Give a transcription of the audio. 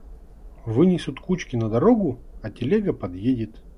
Вынесут кучки на дорогу, а телега подъедет.